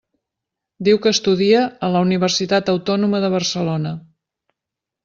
Diu que estudia a la Universitat Autònoma de Barcelona.